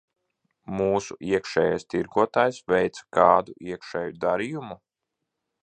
Mūsu iekšējais tirgotājs veica kādu iekšēju darījumu?